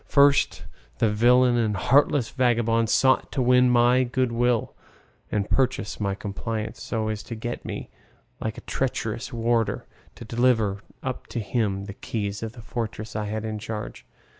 First, the villain and heartless vagabond sought to win my good will and purchase my compliance, so as to get me, like a treacherous warder, to deliver up to him the keys of the fortress I had in charge.